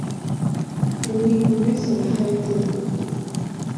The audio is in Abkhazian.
Уи уҩыза иаҳа идыруеит.